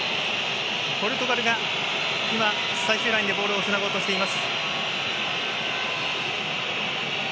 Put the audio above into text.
ポルトガルが最終ラインでボールをつなごうとしています。